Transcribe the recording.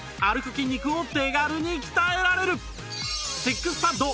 筋肉を手軽に鍛えられる！